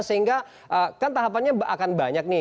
sehingga kan tahapannya akan banyak nih